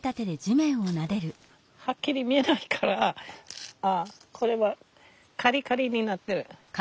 はっきり見えないからああこれはカリカリになってる。